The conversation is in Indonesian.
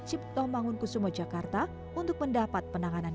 makan di tempat kelihatan yang berhasil kutip makanan main ke tempat lain